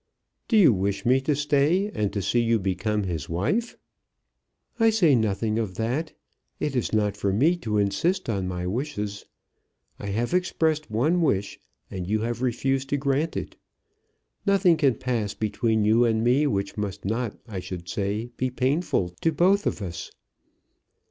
"Do you wish me to stay, and to see you become his wife?" "I say nothing of that. It is not for me to insist on my wishes. I have expressed one wish, and you have refused to grant it. Nothing can pass between you and me which must not, I should say, be painful to both of us."